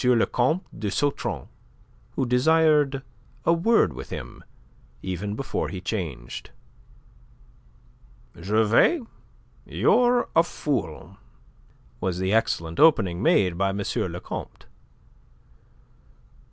le Comte de Sautron who desired a word with him even before he changed. "Gervais, you're a fool," was the excellent opening made by M. le Comte.